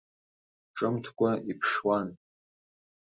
Ҿымҭкәа иԥшуан.